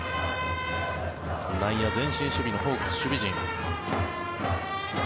内野前進守備のホークス守備陣。